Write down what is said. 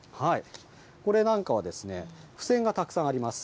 これなんかは、付箋がたくさんあります。